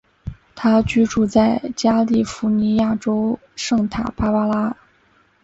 他居住在加利福尼亚州圣塔芭芭拉。